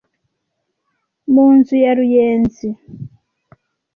Mu nzu ya Ruyenzi